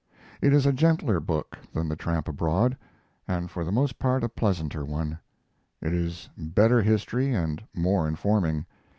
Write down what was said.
It is a gentler book than the Tramp Abroad, and for the most part a pleasanter one. It is better history and more informing.